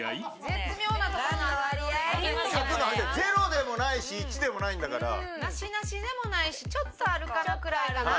０でもないし１でもないんだから。なしなしでもないしちょっとあるかな？くらいかな。